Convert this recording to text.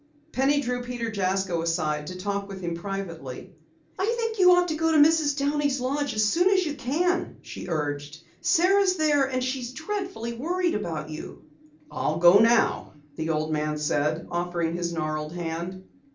Penny drew Peter Jasko aside to talk with him privately. "I think you ought to go to Mrs. Downey's lodge as soon as you can," she urged. "Sara is there, and she's dreadfully worried about you." "I'll go now," the old man said, offering his gnarled hand.